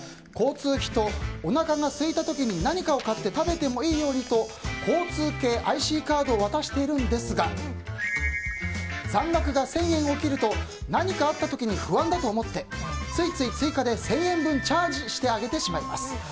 交通費とおなかがすいた時に何かを買って食べてもいいようにと交通系ＩＣカードを渡しているんですが残額が１０００円を切ると何かあった時に不安だと思ってついつい追加で１０００円分チャージしてしまいます。